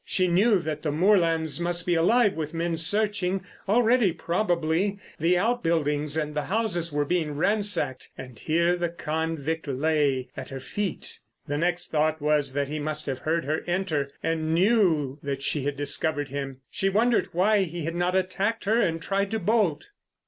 She knew that the moorlands must be alive with men searching; already, probably, the outbuildings and the houses were being ransacked—and here the convict lay, at her feet. The next thought was that he must have heard her enter and knew that she had discovered him. She wondered why he had not attacked her and tried to bolt.